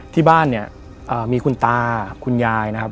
ที่บ้านเนี่ยมีคุณตาคุณยายนะครับ